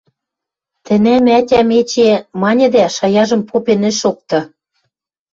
Тӹнӓм ӓтям эче... – маньы дӓ шаяжым попен ӹш шокты.